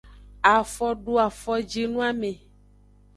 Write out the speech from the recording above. Afodoafojinoame.